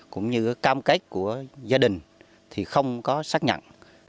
cũng như cam kết của gia đình thì không có xác nhận